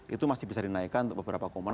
itu masih bisa dinaikkan untuk beberapa